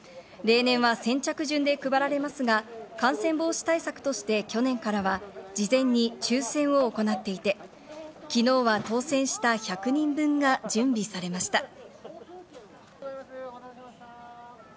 例年は先着順で配られますが、感染防止対策として去年からは事前に抽選を行っていて、昨日は当選した１００人分が準備されました。